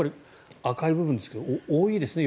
赤い部分ですが多いですね。